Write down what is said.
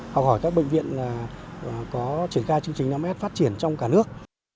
học hỏi các bệnh viện có triển khai chương trình năm s phát triển trong cả nước